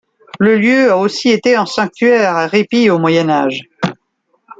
Le lieu a aussi été un sanctuaire à répit au Moyen Âge.